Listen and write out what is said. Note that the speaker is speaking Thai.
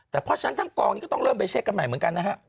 แล้วเพราะฉะนั้นทั้งกองต้องเลิ่มไปเช็คกันใหม่เหมือนกันนะครับ